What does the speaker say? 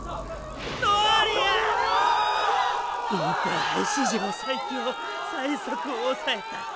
インターハイ史上最強最速をおさえた！